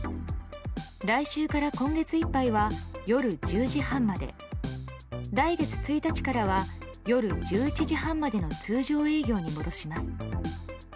来週から今月いっぱいは夜１０時半まで来月１日からは夜１１時半までの通常営業に戻します。